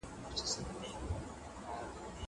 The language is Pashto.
زه شګه نه پاکوم.